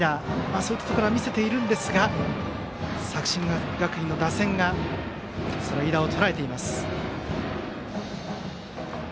そういったところは見せているんですが作新学院の打線がその飯田をとらえています。